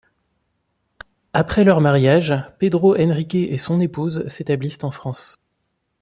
Après leur mariage, Pedro Henrique et son épouse s’établissent en France.